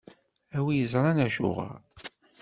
A wi iẓṛan acuɣeṛ.